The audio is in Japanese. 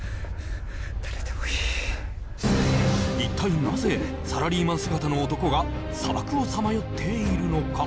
誰でもいい一体なぜサラリーマン姿の男が砂漠をさまよっているのか